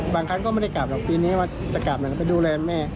ครั้งก็ไม่ได้กลับหรอกปีนี้จะกลับไปดูแลแม่